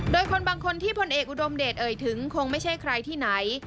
โดยคนบางคนที่พลเอกอุดมเดชเอ่ยถึงคงไม่ใช่ใครที่ไหน